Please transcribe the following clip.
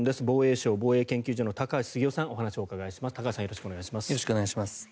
防衛省防衛研究所の高橋杉雄さんにお話をお伺いします。